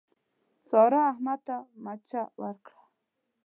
سارا، احمد ته مچه ورکړه.